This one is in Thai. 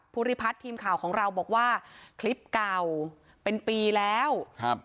ภูริพัฒน์ทีมข่าวของเราบอกว่าคลิปเก่าเป็นปีแล้วครับ